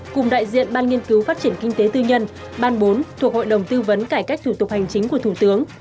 cùng đại diện ban nghiên cứu phát triển kinh tế tư nhân ban bốn thuộc hội đồng tư vấn cải cách thủ tục hành chính của thủ tướng